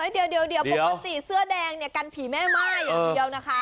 เดี๋ยวปกติเสื้อแดงเนี่ยกันผีแม่ม่ายอย่างเดียวนะคะ